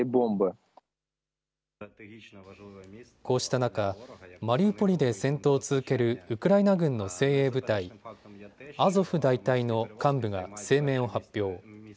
こうした中、マリウポリで戦闘を続けるウクライナ軍の精鋭部隊、アゾフ大隊の幹部が声明を発表。